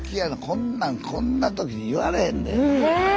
こんなんこんな時に言われへんで。